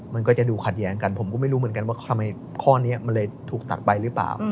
มันก็จะดูขัดแย้งกันผมก็ไม่รู้เหมือนกันว่าทำไมข้อนี้มันเลยถูกตัดไปหรือเปล่า